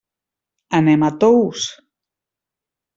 Anem a Tous.